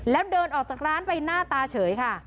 แล้วเดินออกจากร้านไปหน้าตาเฉยค่ะ